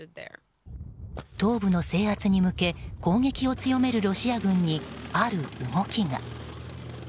東部の制圧に向けて攻撃を強めるロシア軍にある動きが。